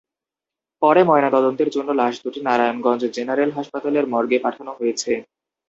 পরে ময়নাতদন্তের জন্য লাশ দুটি নারায়ণগঞ্জ জেনারেল হাসপাতালের মর্গে পাঠানো হয়েছে।